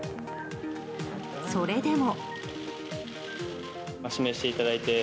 それでも。